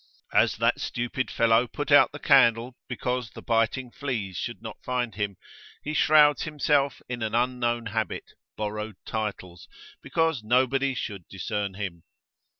As that stupid fellow put out the candle because the biting fleas should not find him; he shrouds himself in an unknown habit, borrowed titles, because nobody should discern him.